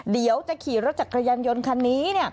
เดี๋ยวจะขี่รถจักรยานยนต์คันนี้